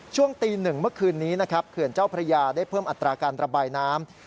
ช่วงตีหนึ่งเมื่อคืนนี้นะครับเขื่อนเจ้าพระยาได้เพิ่มอัตราการระบายน้ำ